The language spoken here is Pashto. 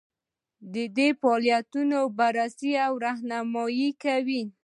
دا د فعالیتونو بررسي او رهنمایي کوي.